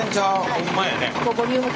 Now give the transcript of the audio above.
ホンマやね。